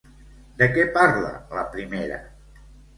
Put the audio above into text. De què parla la primera?